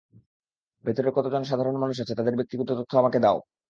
ভেতরে কতজন সাধারণ মানুষ আছে, তাদের ব্যক্তিগত তথ্য আমাকে দাও!